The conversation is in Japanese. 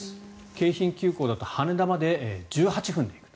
京浜急行だと羽田まで１８分で行ける。